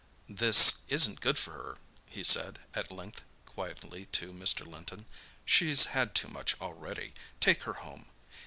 "This isn't good for her," he said at length quietly to Mr. Linton. "She's had too much already. Take her home."